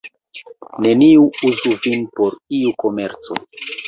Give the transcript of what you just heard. Neniu uzu vin por iu komerco.